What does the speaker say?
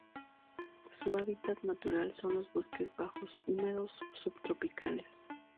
Su hábitat natural son los bosques bajos húmedos subtropicales.